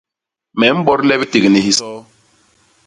Me mbodle biték ni hisoo.